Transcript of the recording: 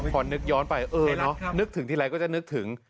พอนึกย้อนไปเออเนอะนึกถึงทีไรก็จะนึกถึง